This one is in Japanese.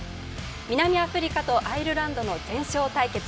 南アフリカとアイルランドの全勝対決。